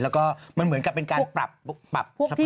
แล้วก็มันเหมือนกับเป็นการปรับสภาพ